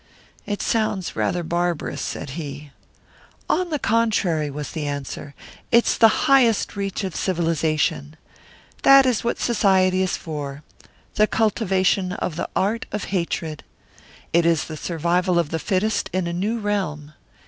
"It sounds rather barbarous," said he. "On the contrary," was the answer, "it's the highest reach of civilisation. That is what Society is for the cultivation of the art of hatred. It is the survival of the fittest in a new realm.